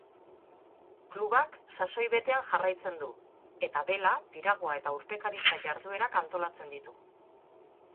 Klubak sasoi betean jarraitzen du, eta bela, piragua eta urpekaritza jarduerak antolatzen ditu.